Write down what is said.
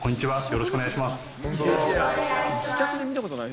よろしくお願いします